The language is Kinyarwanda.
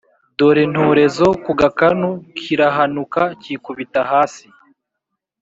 dore ntorezo ku gakanu kirahanuka kikubita hasi,